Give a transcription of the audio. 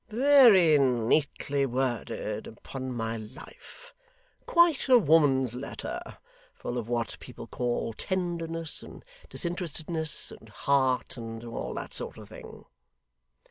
'Very neatly worded upon my life! Quite a woman's letter, full of what people call tenderness, and disinterestedness, and heart, and all that sort of thing!